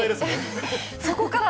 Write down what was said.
そこから。